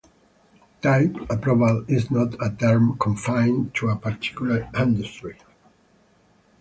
Type Approval is not a term confined to a particular industry.